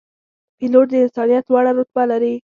پیلوټ د انسانیت لوړه رتبه لري.